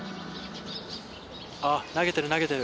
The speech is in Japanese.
投げてる、投げてる。